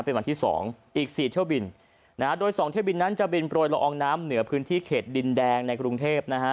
เป็นวันที่๒อีก๔เที่ยวบินนะฮะโดยสองเที่ยวบินนั้นจะบินโปรยละอองน้ำเหนือพื้นที่เขตดินแดงในกรุงเทพนะฮะ